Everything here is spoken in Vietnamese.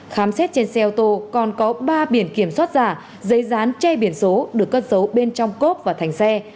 khám xét trên xe ô tô còn có ba biển kiểm soát giả giấy dán che biển số được cất giấu bên trong cốp và thành xe